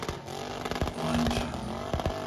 Lančár